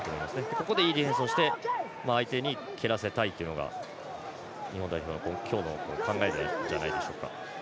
ここでいいディフェンスをして相手に蹴らせたいというのが日本代表の今日の考えじゃないでしょうか。